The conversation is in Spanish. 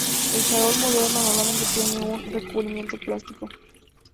El charol moderno normalmente tiene un recubrimiento plástico.